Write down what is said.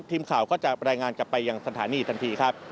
ทีมข่าวก็จะรายงานกลับไปยังสถานีทันทีครับ